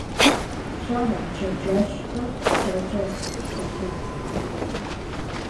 ПщӀэрэ уи чэнджэщхэр сэркӀэ щӀэлъапӀэр?